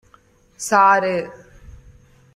சாறு!